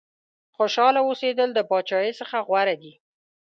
خوشاله اوسېدل د بادشاهۍ څخه غوره دي.